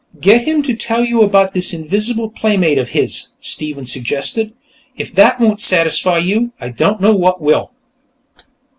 "Get him to tell you about this invisible playmate of his," Stephen suggested. "If that won't satisfy you, I don't know what will."